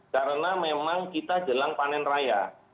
karena memang kita jelang panen raya